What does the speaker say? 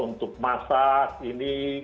untuk masak ini